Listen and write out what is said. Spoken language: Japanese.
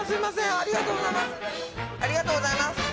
ありがとうございます。